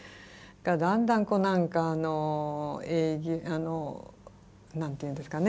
だんだん何か何て言うんですかね